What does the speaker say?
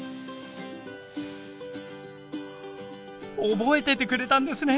覚えててくれたんですね。